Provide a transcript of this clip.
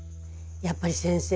やっぱり先生